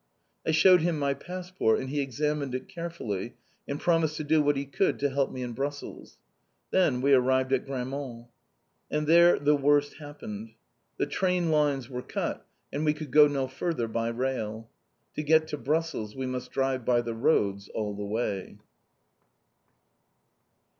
I showed him my passport, and he examined it carefully and promised to do what he could to help me in Brussels. Then we arrived at Grammont. And there the worst happened. The train lines were cut, and we could go no further by rail. To get to Brussels we must drive by the roads all the way.